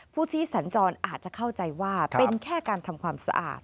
ผู้ซื้อสัญจรอาจจะเข้าใจว่าเป็นแค่การทำความสะอาด